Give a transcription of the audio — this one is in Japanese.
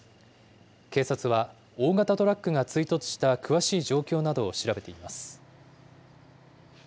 警察は、大型トラックが追突した詳しい状況などを調べています。